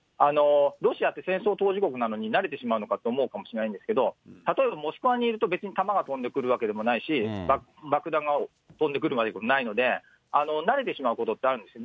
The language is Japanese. ロシアって戦争当事国なのに慣れてしまうのかと思うかもしれないですけど、例えば、モスクワにいると別に弾が飛んでくるわけでもないし、爆弾が飛んでくるわけではないので、慣れてしまうことってあるんです。